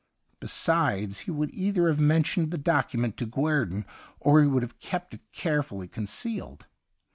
Besides, he would either have men tioned the document to Guerdon, or he would have kept it carefully concealed.